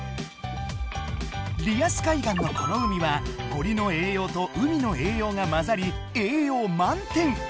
リアス海岸のこの海は森の栄養と海の栄養がまざり栄養満点。